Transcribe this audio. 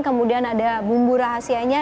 kemudian ada bumbu rahasianya